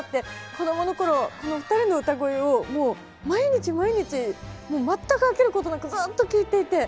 こどもの頃このお二人の歌声をもう毎日毎日全く飽きることなくずっと聴いていて。